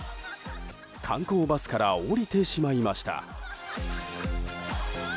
観光バスから降りてしまいました。